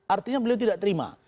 artinya beliau tidak terima